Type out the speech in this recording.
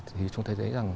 thì chúng thấy rằng